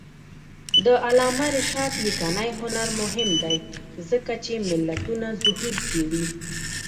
د علامه رشاد لیکنی هنر مهم دی ځکه چې ملتونو ظهور څېړي.